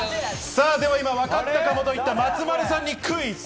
さぁ、では今わかったかもといった松丸さんにクイズ！